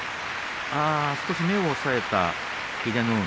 少し目を押さえている英乃海。